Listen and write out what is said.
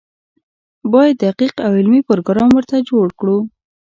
باید دقیق او علمي پروګرام ورته جوړ کړو.